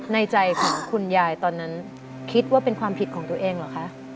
ในใจของคุณยายตอนนั้นคิดว่าเป็นความผิดของตัวเองเหรอคะ